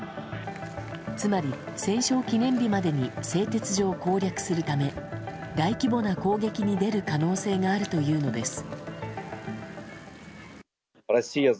つまり、戦勝記念日までに製鉄所を攻略するため大規模な攻撃に出る可能性があるというのです。